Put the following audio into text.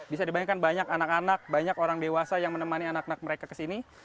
bisa dibilangkan banyak anak anak banyak orang dewasa yang menemani anak anak mereka kesini